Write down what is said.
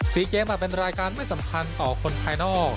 ซีเกมอาจเป็นรายการไม่สำคัญต่อคนภายนอก